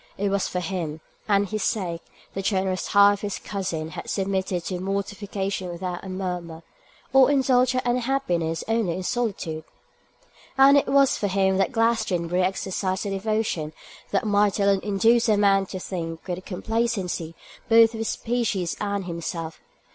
It was for him, and his sake, the generous heart of his cousin had submitted to mortification without a murmur, or indulged her unhappiness only in solitude; and it was for him that Glastonbury exercised a devotion that might alone induce a man to think with complacency both of his species and himself.